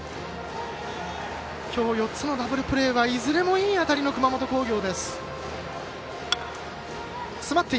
きょう４つのダブルプレーいずれもいい当たりの熊本工業です。